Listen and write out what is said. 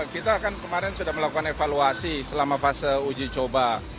kita kan kemarin sudah melakukan evaluasi selama fase uji coba